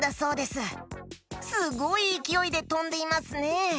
すごいいきおいでとんでいますね！